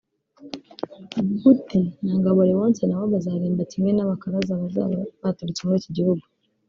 Budi na Ngabo Leonce na bo bazaririmba kimwe n’abakaraza bazaba baturutse muri iki gihugu